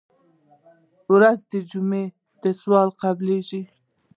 ورځ د جمعې ده سوال قبلېږي.